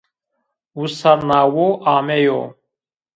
Wisar nawo ameyo